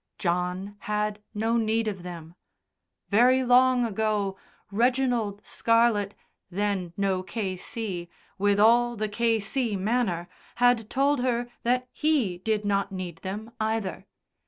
John had no need of them; very long ago, Reginald Scarlett, then no K.C., with all the K.C. manner, had told her that he did not need them either.